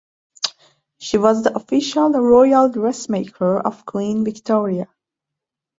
She was the official royal dressmaker of Queen Victoria.